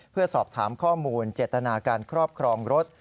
เพื่อสอบถามข้อมูลเจตนาการครอบครองรถ